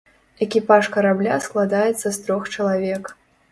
Экіпаж карабля складаецца з трох чалавек.